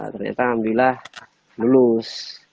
ternyata alhamdulillah lulus